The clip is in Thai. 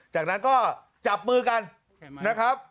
จากนั้นก็จับมือกันนะครับ